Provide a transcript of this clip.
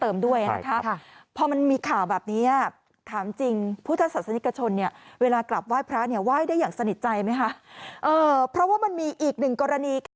อีกหนึ่งกรณี